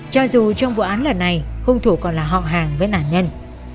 cho dù trong vụ án lần này hung thủ còn là họ hàng với nạn nhân